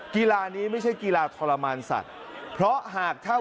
กีฬานี้ไม่ใช่กีฬาทรมานสัตว์เพราะหากเท่า